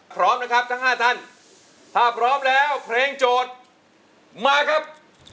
พร้อมนะครับทั้ง๕ท่านถ้าพร้อมแล้วเพลงโจทย์มาครับ